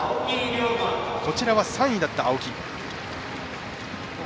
こちらは３位だった青木。